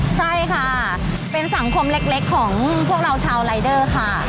ใช่ค่ะเป็นสังคมเล็กของพวกเราชาวรายเดอร์ค่ะ